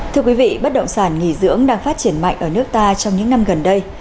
thưa quý vị bất động sản nghỉ dưỡng đang phát triển mạnh ở nước ta trong những năm gần đây